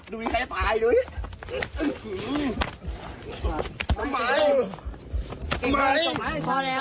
ดูยังไงตายเลย